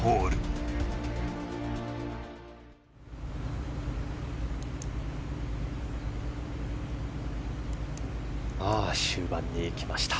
さあ、終盤にきました。